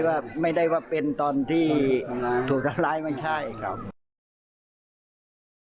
ว่าไม่ได้ว่าเป็นตอนที่ถูกทำร้ายไม่ใช่ครับ